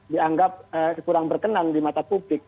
dianggap kurang berkenan di mata publik